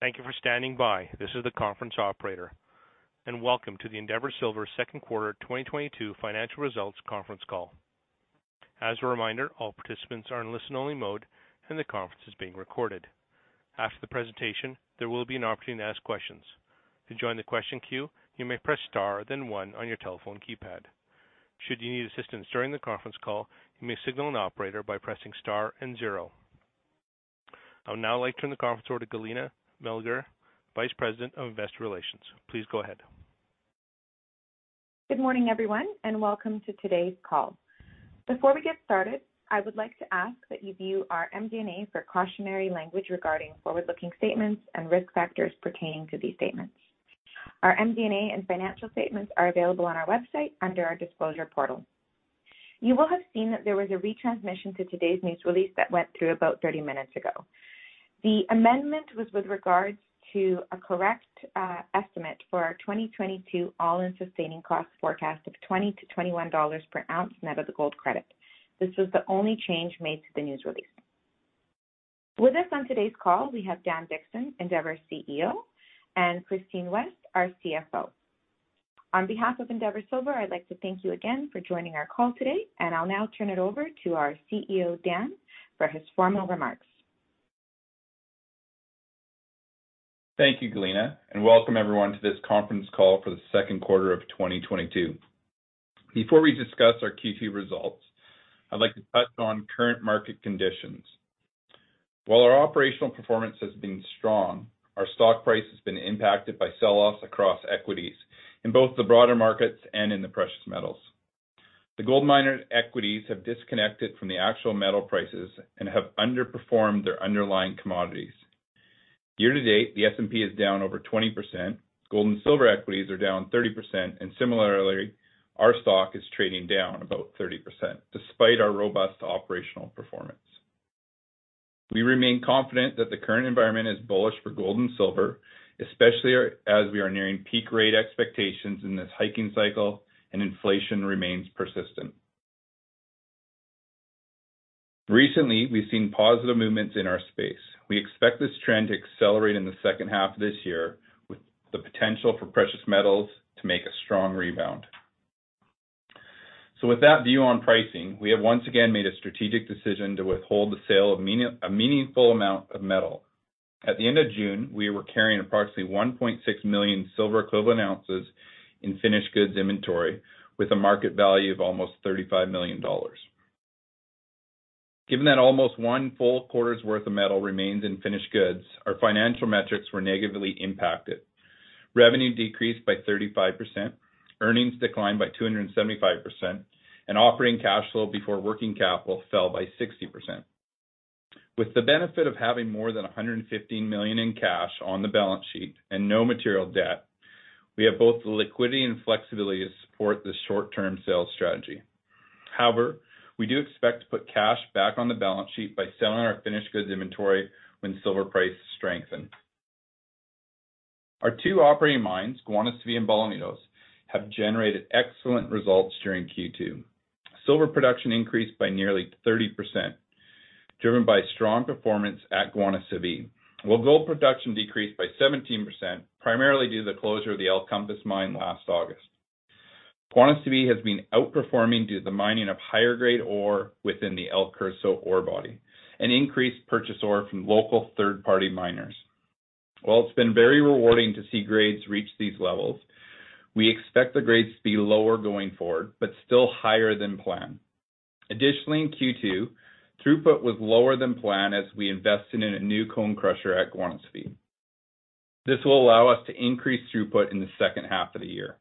Thank you for standing by. This is the conference operator, and welcome to the Endeavour Silver Second Quarter 2022 Financial Results Conference Call. As a reminder, all participants are in listen-only mode, and the conference is being recorded. After the presentation, there will be an opportunity to ask questions. To join the question queue, you may press star then one on your telephone keypad. Should you need assistance during the conference call, you may signal an operator by pressing star and zero. I would now like to turn the conference over to Galina Meleger, Vice President of Investor Relations. Please go ahead. Good morning, everyone, and welcome to today's call. Before we get started, I would like to ask that you view our MD&A for cautionary language regarding forward-looking statements and risk factors pertaining to these statements. Our MD&A and financial statements are available on our website under our disclosure portal. You will have seen that there was a retransmission to today's news release that went through about 30 minutes ago. The amendment was with regards to a correct estimate for our 2022 all-in sustaining cost forecast of $20-$21 per ounce net of the gold credit. This was the only change made to the news release. With us on today's call, we have Dan Dickson, Endeavour CEO, and Christine West, our CFO. On behalf of Endeavour Silver, I'd like to thank you again for joining our call today, and I'll now turn it over to our CEO, Dan, for his formal remarks. Thank you, Galina, and welcome everyone to this conference call for the second quarter of 2022. Before we discuss our Q2 results, I'd like to touch on current market conditions. While our operational performance has been strong, our stock price has been impacted by sell-offs across equities in both the broader markets and in the precious metals. The gold miner equities have disconnected from the actual metal prices and have underperformed their underlying commodities. Year to date, the S&P is down over 20%, gold and silver equities are down 30%, and similarly, our stock is trading down about 30% despite our robust operational performance. We remain confident that the current environment is bullish for gold and silver, especially as we are nearing peak rate expectations in this hiking cycle and inflation remains persistent. Recently, we've seen positive movements in our space. We expect this trend to accelerate in the second half of this year with the potential for precious metals to make a strong rebound. With that view on pricing, we have once again made a strategic decision to withhold the sale of a meaningful amount of metal. At the end of June, we were carrying approximately 1.6 million silver equivalent ounces in finished goods inventory with a market value of almost $35 million. Given that almost one full quarter's worth of metal remains in finished goods, our financial metrics were negatively impacted. Revenue decreased by 35%, earnings declined by 275%, and operating cash flow before working capital fell by 60%. With the benefit of having more than $150 million in cash on the balance sheet and no material debt, we have both the liquidity and flexibility to support this short-term sales strategy. However, we do expect to put cash back on the balance sheet by selling our finished goods inventory when silver prices strengthen. Our two operating mines, Guanaceví and Bolaños, have generated excellent results during Q2. Silver production increased by nearly 30%, driven by strong performance at Guanaceví. While gold production decreased by 17%, primarily due to the closure of the El Compas mine last August. Guanaceví has been outperforming due to the mining of higher grade ore within the El Curso ore body and increased purchase ore from local third-party miners. While it's been very rewarding to see grades reach these levels, we expect the grades to be lower going forward, but still higher than planned. Additionally, in Q2, throughput was lower than planned as we invested in a new cone crusher at Guanaceví. This will allow us to increase throughput in the second half of the year.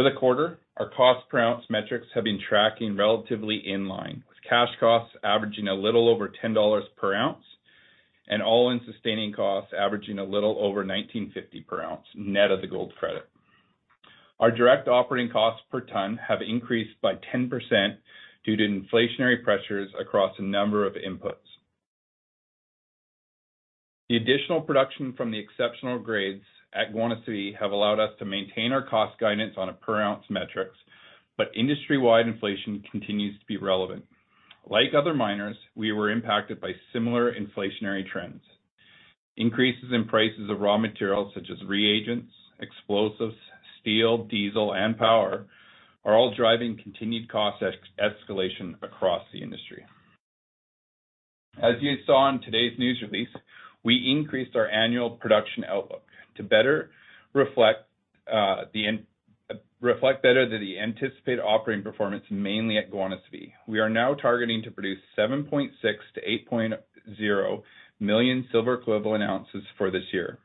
For the quarter, our cost per ounce metrics have been tracking relatively in line, with cash costs averaging a little over $10 per ounce and all-in sustaining costs averaging a little over $19.50 per ounce net of the gold credit. Our direct operating costs per ton have increased by 10% due to inflationary pressures across a number of inputs. The additional production from the exceptional grades at Guanaceví have allowed us to maintain our cost guidance on a per ounce metrics, but industry-wide inflation continues to be relevant. Like other miners, we were impacted by similar inflationary trends. Increases in prices of raw materials such as reagents, explosives, steel, diesel, and power are all driving continued cost escalation across the industry. As you saw in today's news release, we increased our annual production outlook to better reflect reflect better the anticipated operating performance mainly at Guanaceví. We are now targeting to produce 7.6 million-8.0 million silver equivalent ounces for this year.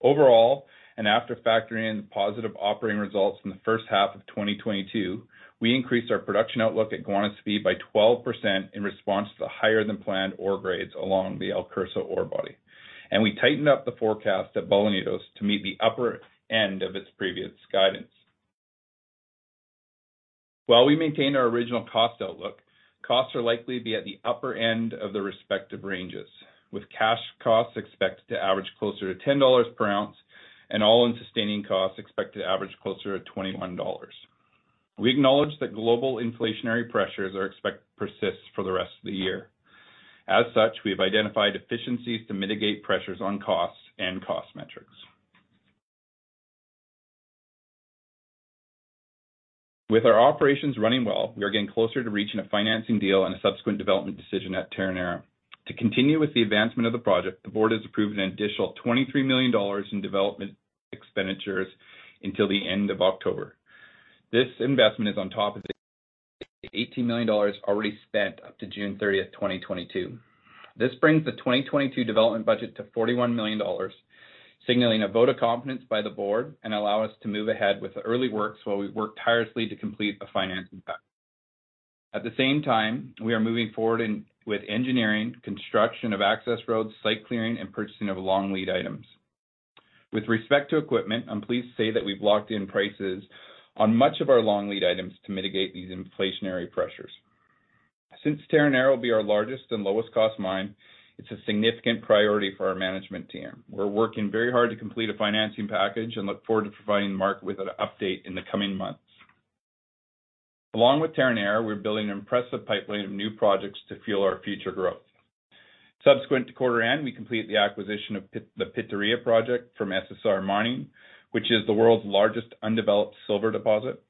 Overall, after factoring in positive operating results in the first half of 2022, we increased our production outlook at Guanaceví by 12% in response to the higher-than-planned ore grades along the El Curso ore body. We tightened up the forecast at Bolaños to meet the upper end of its previous guidance. While we maintain our original cost outlook, costs are likely to be at the upper end of the respective ranges, with cash costs expected to average closer to $10 per ounce and all-in sustaining costs expected to average closer at $21. We acknowledge that global inflationary pressures persist for the rest of the year. As such, we have identified efficiencies to mitigate pressures on costs and cost metrics. With our operations running well, we are getting closer to reaching a financing deal and a subsequent development decision at Terronera. To continue with the advancement of the project, the board has approved an additional $23 million in development expenditures until the end of October. This investment is on top of the $18 million already spent up to June 30th, 2022. This brings the 2022 development budget to $41 million, signaling a vote of confidence by the board and allow us to move ahead with the early works while we work tirelessly to complete a financing package. At the same time, we are moving forward in, with engineering, construction of access roads, site clearing, and purchasing of long lead items. With respect to equipment, I'm pleased to say that we've locked in prices on much of our long lead items to mitigate these inflationary pressures. Since Terronera will be our largest and lowest cost mine, it's a significant priority for our management team. We're working very hard to complete a financing package and look forward to providing the market with an update in the coming months. Along with Terronera, we're building an impressive pipeline of new projects to fuel our future growth. Subsequent to quarter end, we completed the acquisition of Pitarrilla project from SSR Mining, which is the world's largest undeveloped silver deposit.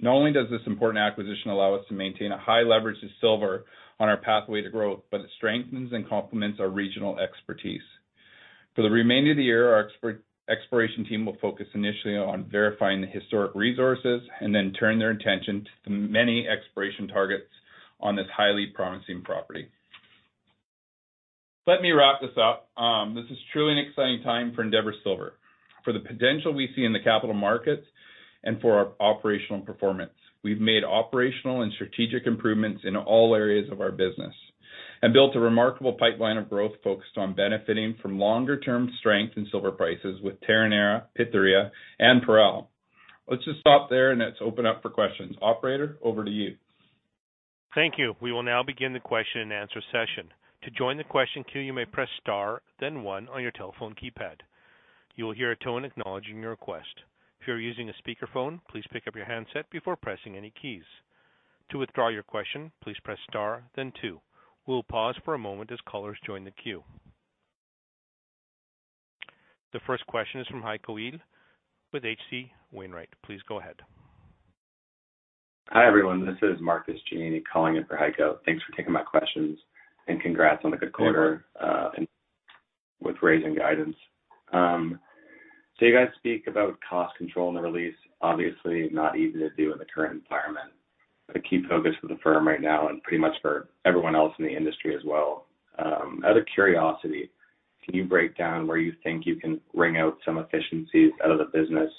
Not only does this important acquisition allow us to maintain a high leverage to silver on our pathway to growth, but it strengthens and complements our regional expertise. For the remainder of the year, our exploration team will focus initially on verifying the historic resources and then turn their attention to the many exploration targets on this highly promising property. Let me wrap this up. This is truly an exciting time for Endeavour Silver. For the potential we see in the capital markets and for our operational performance. We've made operational and strategic improvements in all areas of our business and built a remarkable pipeline of growth focused on benefiting from longer-term strength in silver prices with Terronera, Pitarrilla and Parral. Let's just stop there and let's open up for questions. Operator, over to you. Thank you. We will now begin the question-and-answer session. To join the question queue, you may press star, then one on your telephone keypad. You will hear a tone acknowledging your request. If you are using a speakerphone, please pick up your handset before pressing any keys. To withdraw your question, please press star, then two. We'll pause for a moment as callers join the queue. The first question is from Heiko Ihle with H.C. Wainwright. Please go ahead. Hi, everyone, this is Marcus Jani calling in for Heiko. Thanks for taking my questions, and congrats on a good quarter, and with raising guidance. You guys speak about cost control in the release, obviously not easy to do in the current environment, a key focus of the firm right now and pretty much for everyone else in the industry as well. Out of curiosity, can you break down where you think you can wring out some efficiencies out of the business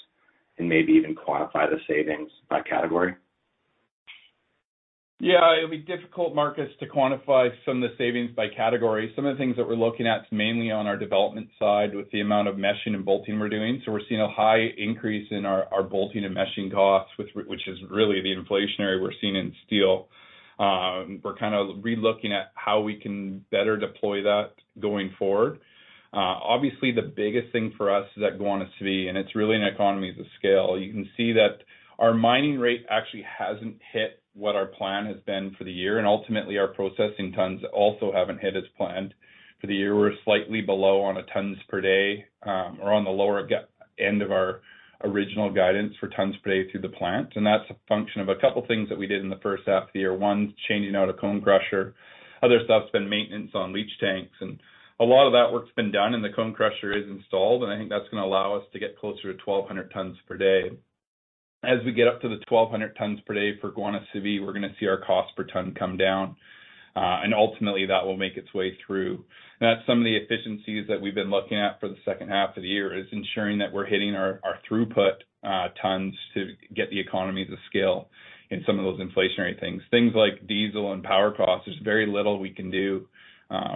and maybe even quantify the savings by category? Yeah. It'll be difficult, Marcus, to quantify some of the savings by category. Some of the things that we're looking at is mainly on our development side with the amount of meshing and bolting we're doing. We're seeing a high increase in our bolting and meshing costs, which is really the inflationary we're seeing in steel. We're kinda relooking at how we can better deploy that going forward. Obviously, the biggest thing for us is at Guanaceví, and it's really an economy of the scale. You can see that our mining rate actually hasn't hit what our plan has been for the year, and ultimately, our processing tons also haven't hit as planned for the year. We're slightly below on tons per day or on the lower end of our original guidance for tons per day through the plant, and that's a function of a couple things that we did in the first half of the year. One, changing out a cone crusher. Other stuff's been maintenance on leach tanks, and a lot of that work's been done, and the cone crusher is installed, and I think that's gonna allow us to get closer to 1,200 tons per day. As we get up to the 1,200 tons per day for Guanaceví, we're gonna see our cost per ton come down, and ultimately, that will make its way through. That's some of the efficiencies that we've been looking at for the second half of the year is ensuring that we're hitting our throughput tons to get the economies of scale in some of those inflationary things. Things like diesel and power costs, there's very little we can do.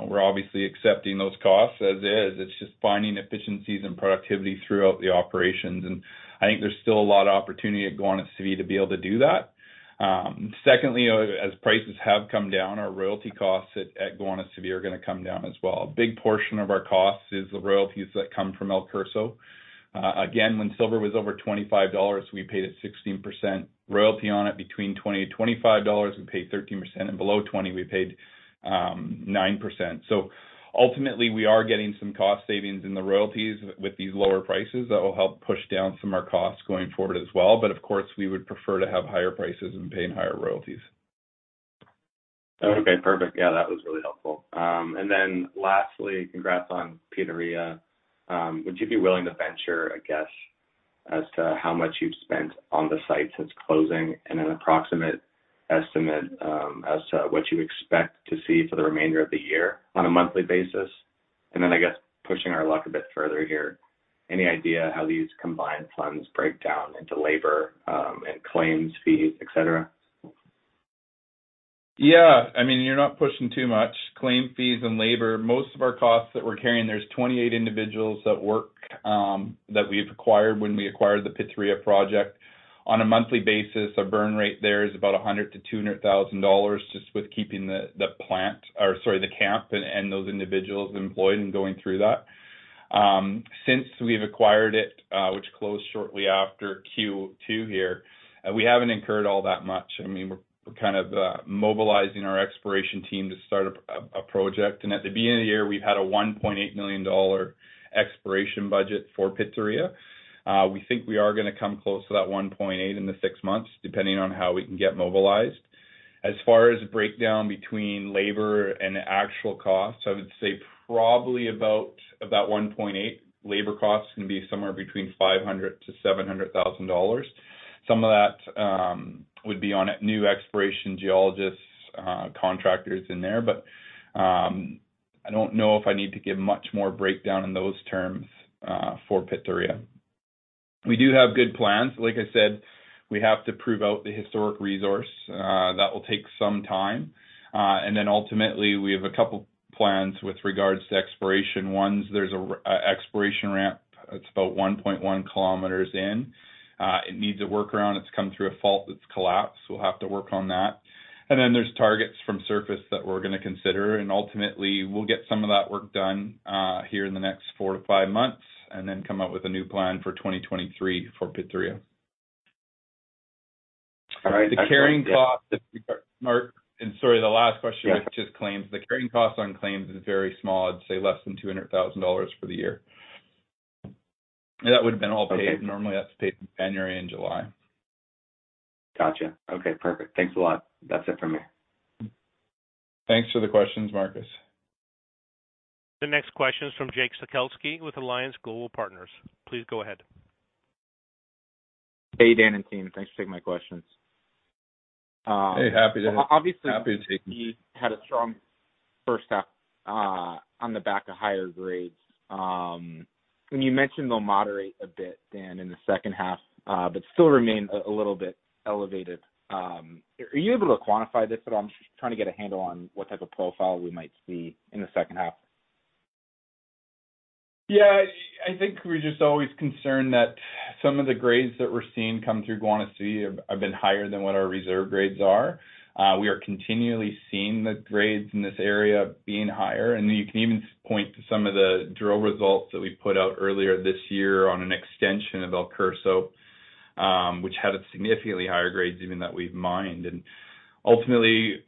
We're obviously accepting those costs as is. It's just finding efficiencies and productivity throughout the operations, and I think there's still a lot of opportunity at Guanaceví to be able to do that. Secondly, as prices have come down, our royalty costs at Guanaceví are gonna come down as well. A big portion of our costs is the royalties that come from El Curso. Again, when silver was over $25, we paid a 16% royalty on it. Between $20-$25, we paid 13%, and below $20, we paid nine percent. Ultimately, we are getting some cost savings in the royalties with these lower prices that will help push down some of our costs going forward as well. Of course, we would prefer to have higher prices and paying higher royalties. Okay, perfect. Yeah, that was really helpful. And then lastly, congrats on Pitarrilla. Would you be willing to venture a guess as to how much you've spent on the site since closing and an approximate estimate, as to what you expect to see for the remainder of the year on a monthly basis? I guess pushing our luck a bit further here, any idea how these combined funds break down into labor, and claims fees, et cetera? Yeah. I mean, you're not pushing too much. Claim fees and labor, most of our costs that we're carrying, there's 28 individuals that work that we've acquired when we acquired the Pitarrilla project. On a monthly basis, our burn rate there is about $100,000-$200,000 just with keeping the camp and those individuals employed and going through that. Since we've acquired it, which closed shortly after Q2 here, we haven't incurred all that much. I mean, we're kind of mobilizing our exploration team to start a project. At the beginning of the year, we've had a $1.8 million exploration budget for Pitarrilla. We think we are gonna come close to that $1.8 million in six months, depending on how we can get mobilized. As far as breakdown between labor and the actual cost, I would say probably about $1.8 million. Labor costs can be somewhere between $500,000-$700,000. Some of that would be on new exploration geologists, contractors in there. I don't know if I need to give much more breakdown in those terms for Pitarrilla. We do have good plans. Like I said, we have to prove out the historic resource. That will take some time. Ultimately, we have a couple plans with regards to exploration zones. There's an exploration ramp that's about 1.1 kilometers in. It needs a workaround. It's come through a fault that's collapsed. We'll have to work on that. There's targets from surface that we're gonna consider. Ultimately, we'll get some of that work done, here in the next 4-5 months, and then come up with a new plan for 2023 for Pitarrilla. All right. The carrying cost, Mark. Sorry, the last question was just claims. The carrying cost on claims is very small. I'd say less than $200,000 for the year. That would have been all paid. Okay. Normally, that's paid in January and July. Gotcha. Okay, perfect. Thanks a lot. That's it from me. Thanks for the questions, Marcus. The next question is from Jake Sekelsky with Alliance Global Partners. Please go ahead. Hey, Dan and team. Thanks for taking my questions. Hey, happy to help. Obviously- Happy to take them. Had a strong first half on the back of higher grades. You mentioned they'll moderate a bit then in the second half, but still remain a little bit elevated. Are you able to quantify this at all? I'm just trying to get a handle on what type of profile we might see in the second half. Yeah. I think we're just always concerned that some of the grades that we're seeing come through Guanaceví have been higher than what our reserve grades are. We are continually seeing the grades in this area being higher, and you can even point to some of the drill results that we put out earlier this year on an extension of El Curso, which had a significantly higher grades even than we've mined. Ultimately,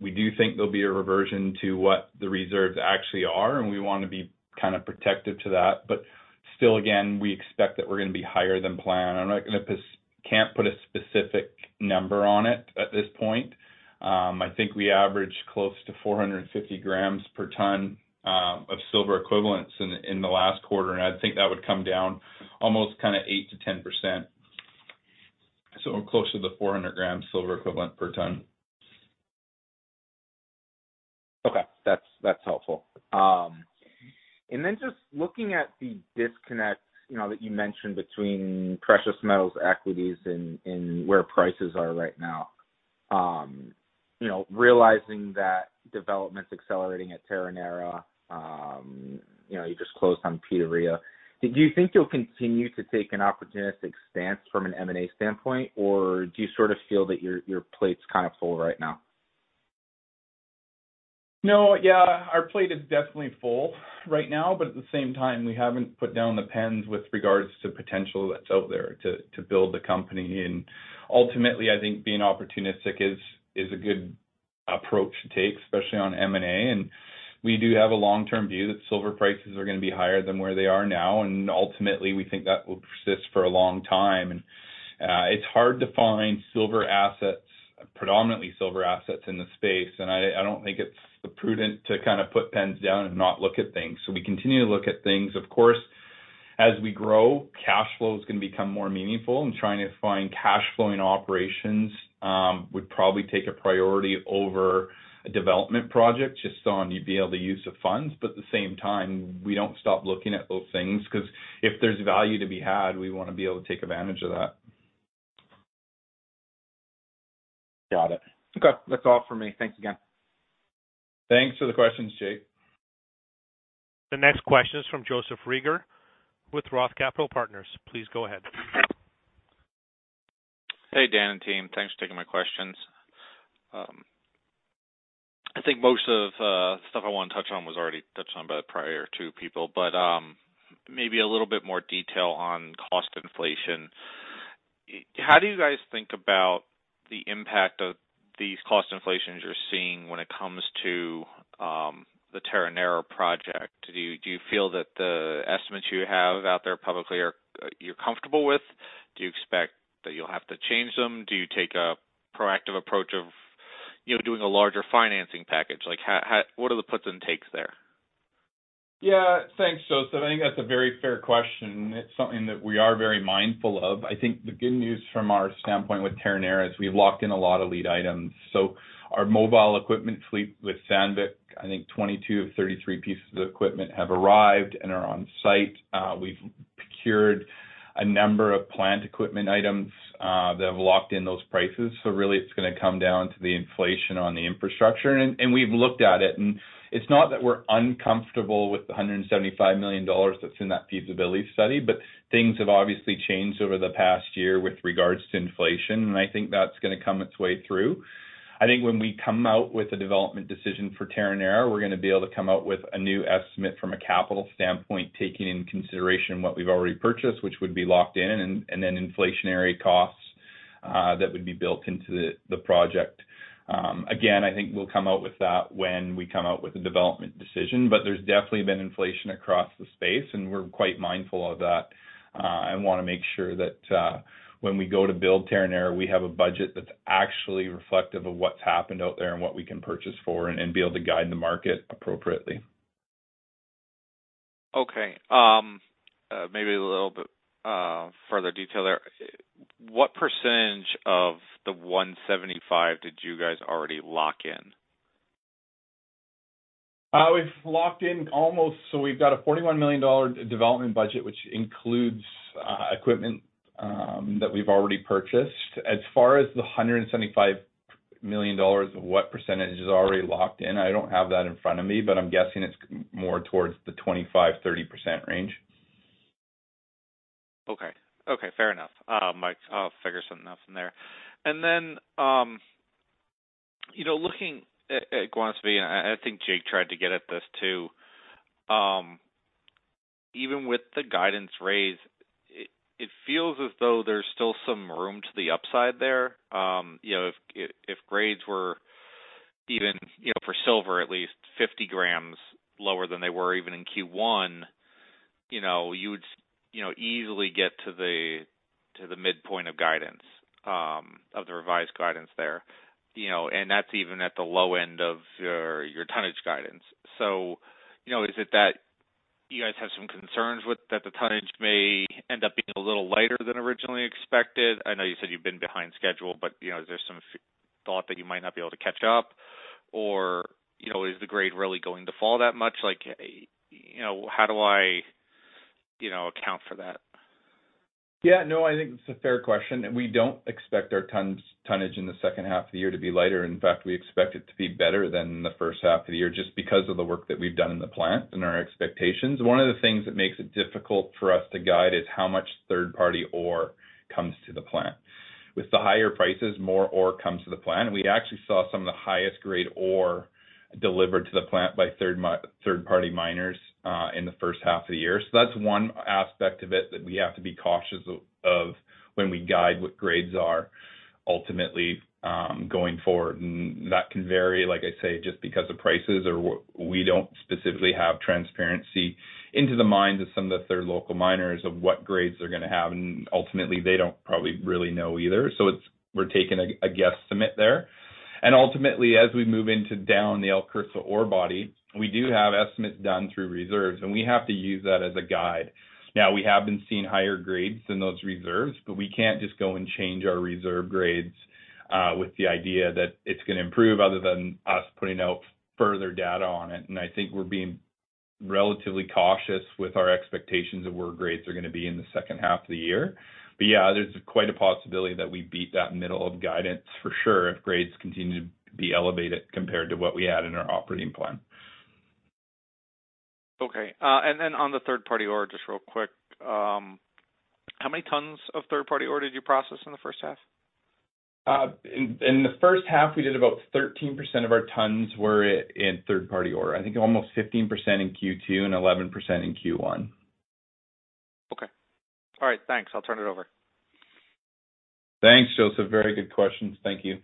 we do think there'll be a reversion to what the reserves actually are, and we wanna be kind of protective to that. Still, again, we expect that we're gonna be higher than planned. I can't put a specific number on it at this point. I think we average close to 450 grams per ton of silver equivalents in the last quarter, and I think that would come down almost kinda 8-10%. Close to the 400 gram silver equivalent per ton. Okay. That's helpful. Just looking at the disconnect, you know, that you mentioned between precious metals equities and where prices are right now, you know, realizing that development's accelerating at Terronera, you know, you just closed on Pitarrilla, do you think you'll continue to take an opportunistic stance from an M&A standpoint, or do you sort of feel that your plate's kind of full right now? No, yeah, our plate is definitely full right now, but at the same time, we haven't put down the pens with regards to potential that's out there to build the company. Ultimately, I think being opportunistic is a good approach to take, especially on M&A. We do have a long-term view that silver prices are gonna be higher than where they are now, and ultimately, we think that will persist for a long time. It's hard to find silver assets, predominantly silver assets in the space, and I don't think it's prudent to kinda put pens down and not look at things. We continue to look at things, of course. As we grow, cash flow is gonna become more meaningful, and trying to find cash flowing operations would probably take a priority over a development project just on the be able to use of funds. But at the same time, we don't stop looking at those things 'cause if there's value to be had, we wanna be able to take advantage of that. Got it. Okay. That's all for me. Thanks again. Thanks for the questions, Jake. The next question is from Joseph Reagor with Roth Capital Partners. Please go ahead. Hey, Dan and team. Thanks for taking my questions. I think most of stuff I wanna touch on was already touched on by prior two people. Maybe a little bit more detail on cost inflation. How do you guys think about the impact of these cost inflations you're seeing when it comes to the Terronera project? Do you feel that the estimates you have out there publicly are you comfortable with? Do you expect that you'll have to change them? Do you take a proactive approach of, you know, doing a larger financing package? Like, what are the puts and takes there? Yeah. Thanks, Joseph. I think that's a very fair question. It's something that we are very mindful of. I think the good news from our standpoint with Terronera is we've locked in a lot of lead items. Our mobile equipment fleet with Sandvik, I think 22 of 33 pieces of equipment have arrived and are on site. We've procured a number of plant equipment items, that have locked in those prices. Really it's gonna come down to the inflation on the infrastructure. We've looked at it, and it's not that we're uncomfortable with the $175 million that's in that feasibility study, but things have obviously changed over the past year with regards to inflation, and I think that's gonna come its way through. I think when we come out with a development decision for Terronera, we're gonna be able to come out with a new estimate from a capital standpoint, taking into consideration what we've already purchased, which would be locked in, and then inflationary costs that would be built into the project. Again, I think we'll come out with that when we come out with a development decision. There's definitely been inflation across the space, and we're quite mindful of that, and wanna make sure that when we go to build Terronera, we have a budget that's actually reflective of what's happened out there and what we can purchase for, and be able to guide the market appropriately. Okay. Maybe a little bit further detail there. What percentage of the $175 did you guys already lock in? We've locked in almost. We've got a $41 million development budget, which includes equipment that we've already purchased. As far as the $175 million, what percentage is already locked in, I don't have that in front of me, but I'm guessing it's more towards the 25%-30% range. Okay, fair enough. Mike, I'll figure something out from there. You know, looking at Guanaceví, and I think Jake tried to get at this too. Even with the guidance raise, it feels as though there's still some room to the upside there. You know, if grades were even, you know, for silver, at least 50 grams lower than they were even in Q1, you know, you would easily get to the midpoint of guidance, of the revised guidance there. You know, and that's even at the low end of your tonnage guidance. You know, is it that you guys have some concerns with that the tonnage may end up being a little lighter than originally expected? I know you said you've been behind schedule, but, you know, is there some thought that you might not be able to catch up? Or, you know, is the grade really going to fall that much? Like, you know, how do I, you know, account for that? Yeah. No, I think it's a fair question. We don't expect our tons, tonnage in the second half of the year to be lighter. In fact, we expect it to be better than the first half of the year, just because of the work that we've done in the plant and our expectations. One of the things that makes it difficult for us to guide is how much third-party ore comes to the plant. With the higher prices, more ore comes to the plant. We actually saw some of the highest grade ore delivered to the plant by third-party miners in the first half of the year. That's one aspect of it that we have to be cautious of when we guide what grades are ultimately going forward. That can vary, like I say, just because of prices or we don't specifically have transparency into the minds of some of the third local miners of what grades they're gonna have. Ultimately, they don't probably really know either. We're taking a best estimate there. Ultimately, as we move down into the El Curso ore body, we do have estimates done through reserves, and we have to use that as a guide. Now, we have been seeing higher grades than those reserves, but we can't just go and change our reserve grades with the idea that it's gonna improve other than us putting out further data on it. I think we're being relatively cautious with our expectations of where grades are gonna be in the second half of the year. Yeah, there's quite a possibility that we beat that middle of guidance for sure if grades continue to be elevated compared to what we had in our operating plan. Okay. On the third-party ore, just real quick. How many tons of third-party ore did you process in the first half? In the first half, we did about 13% of our tons were in third-party ore. I think almost 15% in Q2 and 11% in Q1. Okay. All right. Thanks. I'll turn it over. Thanks, Joseph. Very good questions. Thank you.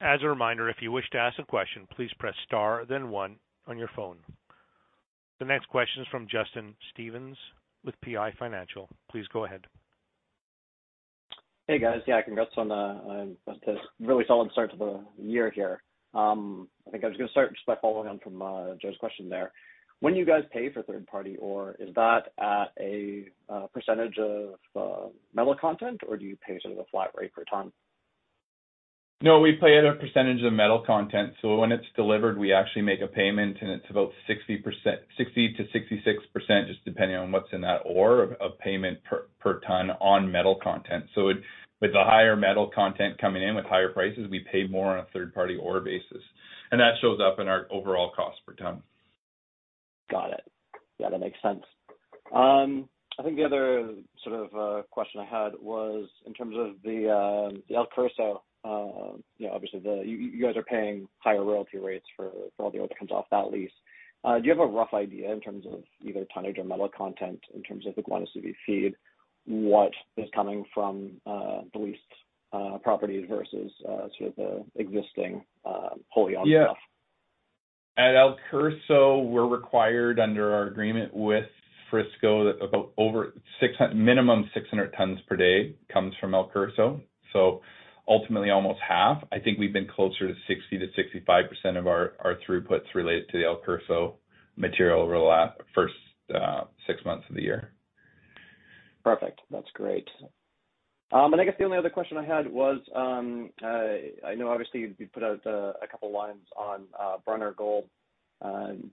As a reminder, if you wish to ask a question, please press star then one on your phone. The next question is from Justin Stevens with PI Financial. Please go ahead. Hey, guys. Yeah, congrats on this really solid start to the year here. I think I was gonna start just by following on from Joe's question there. When you guys pay for third-party ore, is that at a percentage of metal content, or do you pay sort of a flat rate per ton? No, we pay at a percentage of metal content. When it's delivered, we actually make a payment, and it's about 60%, 60%-66%, just depending on what's in that ore, of payment per ton on metal content. With the higher metal content coming in with higher prices, we pay more on a third-party ore basis. That shows up in our overall cost per ton. Got it. Yeah, that makes sense. I think the other sort of question I had was in terms of the El Curso. You know, obviously, you guys are paying higher royalty rates for all the ore that comes off that lease. Do you have a rough idea in terms of either tonnage or metal content in terms of the Guanaceví feed, what is coming from the leased properties versus sort of the existing wholly owned stuff? At El Curso, we're required under our agreement with Frisco that about over minimum 600 tons per day comes from El Curso. Ultimately, almost half. I think we've been closer to 60%-65% of our throughputs related to the El Curso material over the first six months of the year. Perfect. That's great. I guess the only other question I had was, I know obviously you put out a couple lines on Bruner Gold,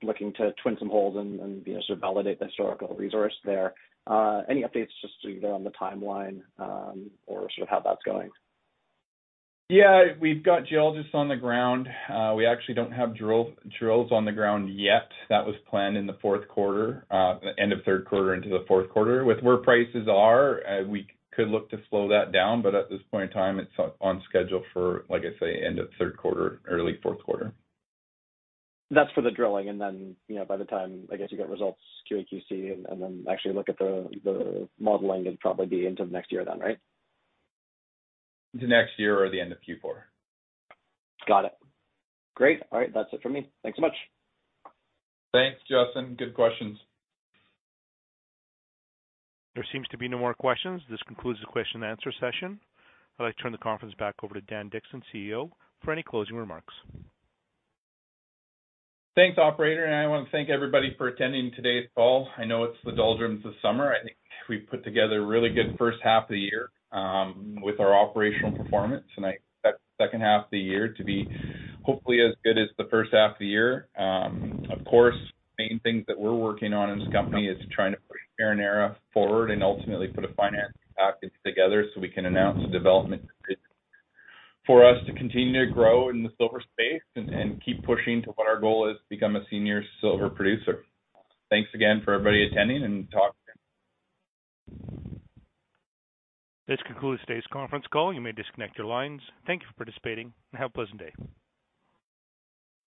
looking to twin some holes and, you know, sort of validate the historical resource there. Any updates just either on the timeline, or sort of how that's going? Yeah. We've got geologists on the ground. We actually don't have drills on the ground yet. That was planned in the fourth quarter, end of third quarter into the fourth quarter. With where prices are, we could look to slow that down, but at this point in time, it's on schedule for, like I say, end of third quarter, early fourth quarter. That's for the drilling. Then, you know, by the time, I guess, you get results, QA, QC, and then actually look at the modeling, it'd probably be into next year then, right? The next year or the end of Q4. Got it. Great. All right. That's it for me. Thanks so much. Thanks, Justin. Good questions. There seems to be no more questions. This concludes the question and answer session. I'd like to turn the conference back over to Dan Dickson, CEO, for any closing remarks. Thanks, operator. I wanna thank everybody for attending today's call. I know it's the doldrums of summer. I think we've put together a really good first half of the year with our operational performance, and I expect the second half of the year to be hopefully as good as the first half of the year. Of course, main things that we're working on in this company is trying to push Terronera forward and ultimately put a financing package together so we can announce a development for us to continue to grow in the silver space and keep pushing to what our goal is to become a senior silver producer. Thanks again for everybody attending. This concludes today's conference call. You may disconnect your lines. Thank you for participating and have a pleasant day.